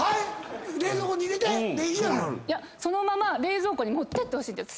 そのまま冷蔵庫に持ってってほしいんです。